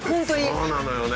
そうなのよね。